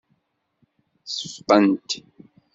Seffqent.